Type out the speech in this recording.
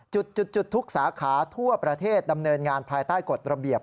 จุดทุกสาขาทั่วประเทศดำเนินงานภายใต้กฎระเบียบ